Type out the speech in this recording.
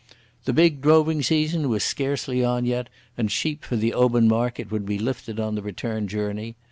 The big droving season was scarcely on yet, and sheep for the Oban market would be lifted on the return journey.